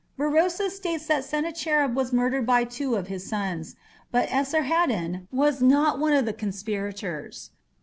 Berosus states that Sennacherib was murdered by two of his sons, but Esarhaddon was not one of the conspirators.